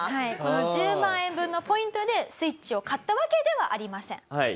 この１０万円分のポイントでＳｗｉｔｃｈを買ったわけではありません。